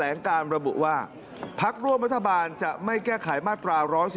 ลงการระบุว่าพักร่วมรัฐบาลจะไม่แก้ไขมาตรา๑๑๒